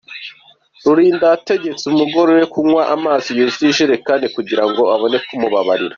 Rulinda yategetse umugore we kunywa amazi yuzuye ijerekani kugira ngo abone kumubabarira.